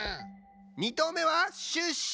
２とうめはシュッシュ！